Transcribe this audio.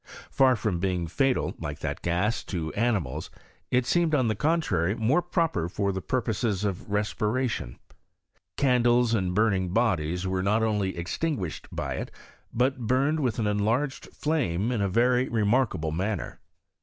Far from being fatal, like that gas, to animals, it seemed on the contrary more proper for the purposes of respiration. Candles and burning bodies wera PBOGBESS OF CHEMISXnT JS FRANCE. 105 not only not extinguished by it, but burned with an enlarged flame in a very remarkable manner.